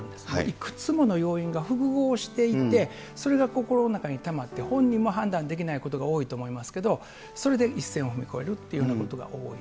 いくつもの要因が複合していって、それが心の中にたまって、本人も判断できないことが多いと思いますけど、それで一線を踏み越えるというようなことが多い。